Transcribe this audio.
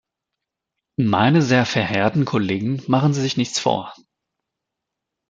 Meine sehr verehrten Kollegen, machen Sie sich nichts vor.